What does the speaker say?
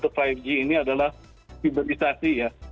pertama untuk lima g ini adalah fiberisasi ya